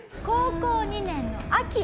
高校２年の秋